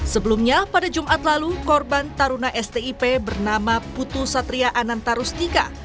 sebelumnya pada jumat lalu korban taruna stip bernama putu satria ananta rustika